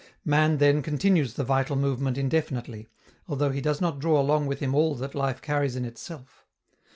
Man, then, continues the vital movement indefinitely, although he does not draw along with him all that life carries in itself.